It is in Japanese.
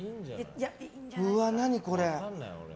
うわ、何これ。